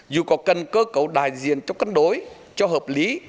dù có cần cơ cấu đại diện cho cân đối cho hợp lý